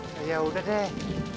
ya ya udah deh